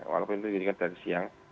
walaupun itu diberikan dari siang